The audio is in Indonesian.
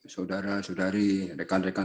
saudara saudari rekan rekan